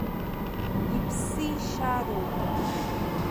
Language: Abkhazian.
Иԥсишьароуп.